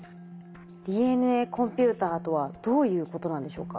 ＤＮＡコンピューターとはどういうことなんでしょうか？